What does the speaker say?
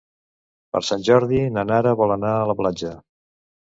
Per Sant Jordi na Nara vol anar a la platja.